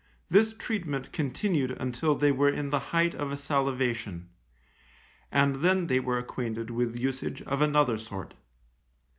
This treatment continued until they were in the height of a salivation, and then they were acquainted with usage of another sort.